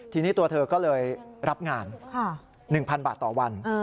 ทีนี้ตัวเธอก็เลยรับงาน๑๐๐๐บาทต่อวัน